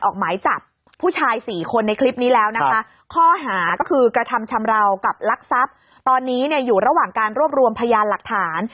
ข้อหาก็คือกระทำชำราวกับลักษัพตอนนี้อยู่ระหว่างการรวบรวมพยานหลักฐาน